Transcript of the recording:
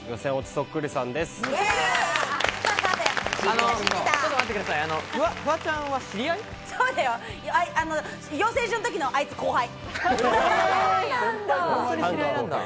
そうだよ、養成所の時のあいつ後輩。